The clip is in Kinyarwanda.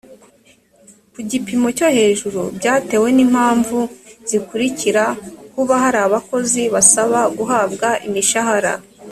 ku gipimo cyo hejuru byatewe n impamvu zikurikira kuba hari abakozi basaba guhabwa imishahara